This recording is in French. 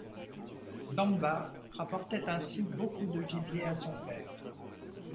Damba rapportait ainsi beaucoup de gibier à son père.